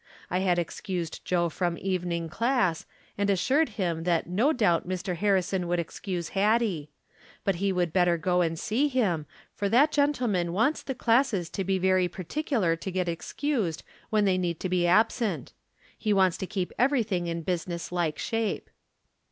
I had excused Joe from evening class, and assured him that no doubt Mr. Harrison would excuse Hattie ; but he would better go and see him, for that gen tleman wants the classes to be very particular to get excused when they need to be absent. He wants to keep everything in business like shape.